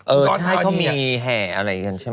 เออใช่เขามีแห่อะไรกันใช่ไหม